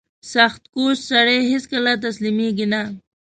• سختکوش سړی هیڅکله تسلیمېږي نه.